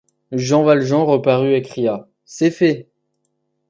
Jean Valjean reparut et cria : C’est fait.